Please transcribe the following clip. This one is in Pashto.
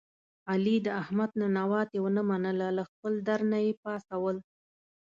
علي د احمد ننواتې و نه منله له خپل در نه یې پا څول.